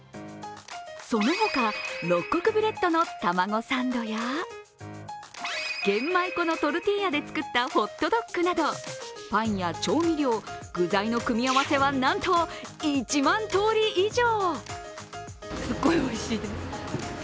そのほか、六穀ブレッドのたまごサンドや玄米粉のトルティーヤで作ったホットドッグなどパンや調味料、具材の組み合わせはなんと１万通り以上。